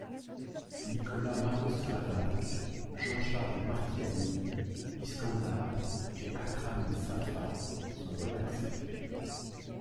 Nicolas Maroslavac, Jean-Charles Marchiani, Iskandar et Akram Safa sont relaxés.